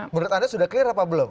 menurut anda sudah clear apa belum